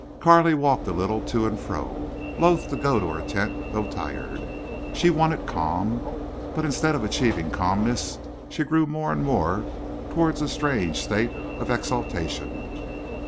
Carley walked a little to and fro, loath to go to her tent, though tired. She wanted calm. But instead of achieving calmness she grew more and more towards a strange state of exultation.